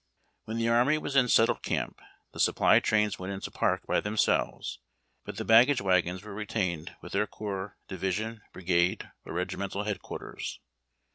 When the army was in settled camp, the supply trains went into park by themselves, but the baggage wagons were retained with their corps, division, brigade, or regi mental headquarters.